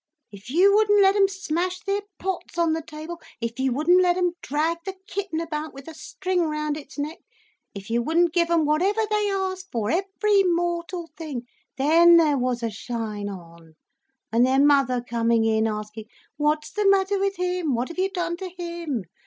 If you wouldn't let them smash their pots on the table, if you wouldn't let them drag the kitten about with a string round its neck, if you wouldn't give them whatever they asked for, every mortal thing—then there was a shine on, and their mother coming in asking—'What's the matter with him? What have you done to him?